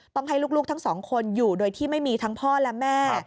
ต้องให้ลูกทั้งสองคนอยู่โดยที่ไม่มีทั้งพ่อและแม่